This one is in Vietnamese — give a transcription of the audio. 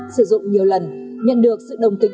sử dụng nhiều lần nhận được sự đồng tình